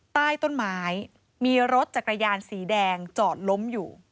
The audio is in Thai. ใต้ต้นไม้มีรถจักรยานสีแดงจอดล้มอยู่